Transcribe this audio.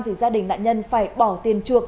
thì gia đình nạn nhân phải bỏ tiền chuộc